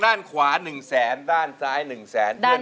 ด้านขวา๑๐๐๐๐๐บาทด้านซ้าย๑๐๐๐๐๐บาท